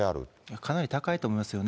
かなり高いと思いますよね。